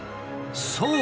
そう！